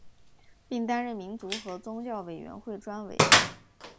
并担任民族和宗教委员会专委。